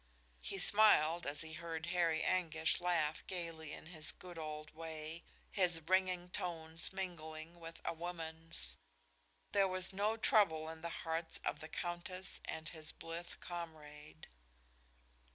He smiled as he heard Harry Anguish laugh gaily in his good old way, his ringing tones mingling with a woman's. There was no trouble in the hearts of the Countess and his blithe comrade.